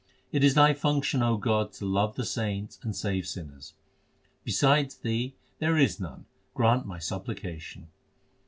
It is Thy function. O God, to love the saints and save sinners. Beside Thee there is none : grant my supplication.